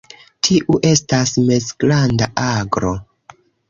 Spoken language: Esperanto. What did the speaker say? Tiu estas mezgranda aglo.